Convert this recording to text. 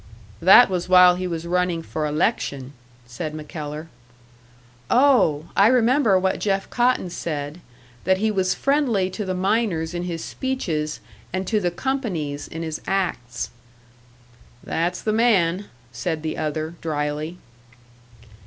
"That was while he was running for election," said MacKellar. "Oh! I remember what Jeff Cotton said that he was friendly to the miners in his speeches, and to the companies in his acts." "That's the man," said the other, drily.